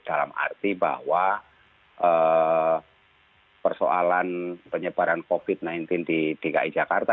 dalam arti bahwa persoalan penyebaran covid sembilan belas di dki jakarta